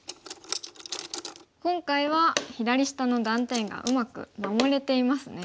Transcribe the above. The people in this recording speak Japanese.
今回は左下の断点がうまく守れていますね。